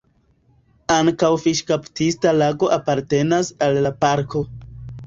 Ankaŭ fiŝkaptista lago apartenas al la parko.